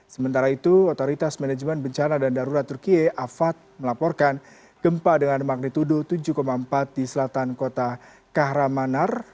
sementara itu otoritas manajemen bencana dan darurat turkiye afad melaporkan gempa dengan magnitudo tujuh empat di selatan kota kahramanar